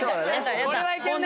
これはいけるね。